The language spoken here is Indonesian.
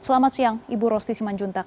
selamat siang ibu rosti simanjuntak